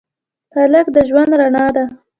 هلک د ژوند رڼا ده.